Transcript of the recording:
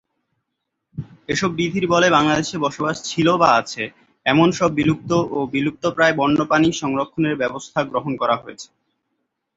এসব বিধির বলে বাংলাদেশে বসবাস ছিল বা আছে এমন সব বিলুপ্ত ও বিলুপ্তপ্রায় বন্যপ্রাণী সংরক্ষণের ব্যবস্থা গ্রহণ করা হয়েছে।